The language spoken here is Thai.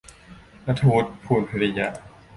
นัฐวุฒิ พูนพิริยะ